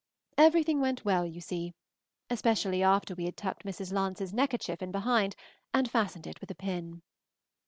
Everything went well, you see, especially after we had tucked Mrs. Lance's neckerchief in behind and fastened it with a pin.